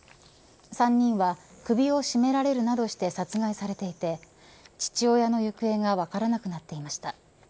３人は首を絞められるなどして殺害されていて父親の行方が分からなくなっていました。